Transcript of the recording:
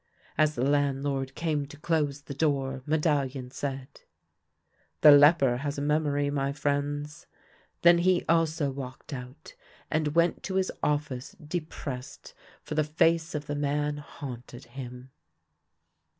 As the landlord came to close the door Medallion said :" The leper has a memory, my friends." Then he also walked out, and went to his office depressed, for the face of the man haunted him.